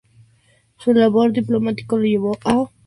Su labor diplomático lo llevó a Sevilla, España como Cónsul.